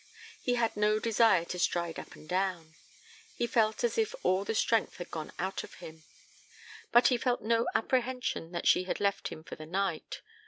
He had no desire to stride up and down; he felt as if all the strength had gone out of him. But he felt no apprehension that she had left him for the night.